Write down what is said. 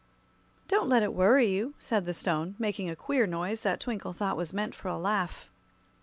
"Don't let it worry you," said the Stone, making a queer noise that Twinkle thought was meant for a laugh.